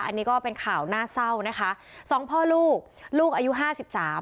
อันนี้ก็เป็นข่าวน่าเศร้านะคะสองพ่อลูกลูกอายุห้าสิบสาม